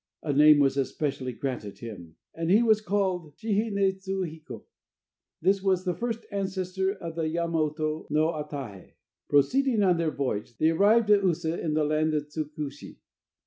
A name was especially granted him, and he was called Shihi ne tsu hiko. He was the first ancestor of the Yamato no Atahe. Proceeding on their voyage, they arrived at Usa in the land of Tsukushi.